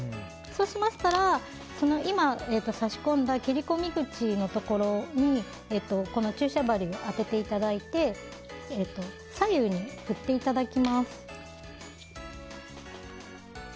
そうしましたら、今差し込んだ切り込み口のところに注射針を当てていただいて左右に振っていただきます。